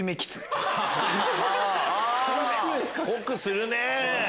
濃くするね！